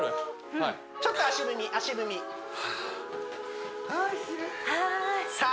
はいちょっと足踏み足踏みさあ